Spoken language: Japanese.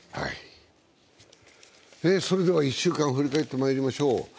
１週間を振り返ってまいりましょう。